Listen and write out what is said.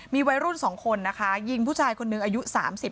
มีวัยรุ่นสองคนนะคะยิงผู้ชายคนหนึ่งอายุสามสิบ